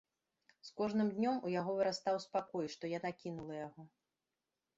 З кожным днём у яго вырастаў спакой, што яна кінула яго.